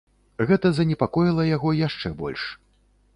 Гэта занепакоіла яго яшчэ больш.